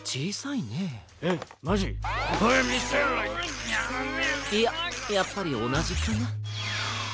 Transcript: いややっぱりおなじかな。